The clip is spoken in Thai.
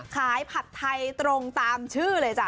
ผัดไทยตรงตามชื่อเลยจ้ะ